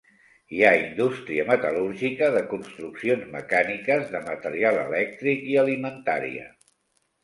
Hi ha indústria metal·lúrgica, de construccions mecàniques, de material elèctric i alimentària.